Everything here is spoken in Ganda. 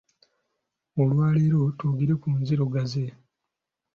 Olwaleero twogere ku nzirugaze.